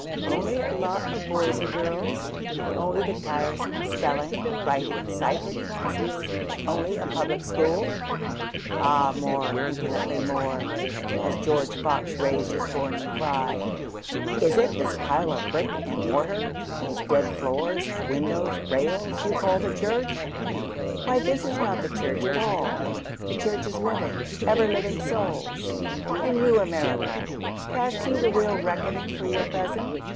Only a lot of boys and girls? Only the tiresome spelling, writing, ciphering classes? Only a Public School? Ah more—infinitely more;(As George Fox rais'd his warning cry, "Is it this pile of brick and mortar—these dead floors, windows, rails—you call the church? Why this is not the church at all—the Church is living, ever living Souls.")And you, America, Cast you the real reckoning for your present?